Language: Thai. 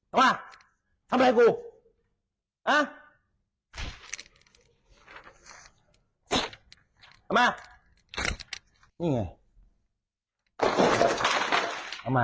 เอามาทำอะไรกูเอามานี่ไงเอามา